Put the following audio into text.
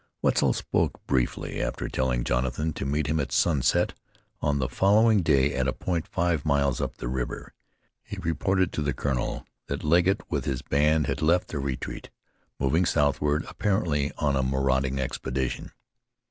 Wetzel spoke briefly. After telling Jonathan to meet him at sunset on the following day at a point five miles up the river, he reported to the colonel that Legget with his band had left their retreat, moving southward, apparently on a marauding expedition.